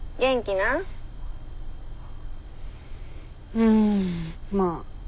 うんまあ。